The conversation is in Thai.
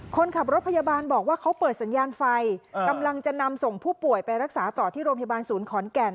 คนขับรถพยาบาลบอกว่าเขาเปิดสัญญาณไฟกำลังจะนำส่งผู้ป่วยไปรักษาต่อที่โรงพยาบาลศูนย์ขอนแก่น